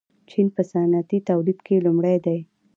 چین په صنعتي تولید کې لومړی دی.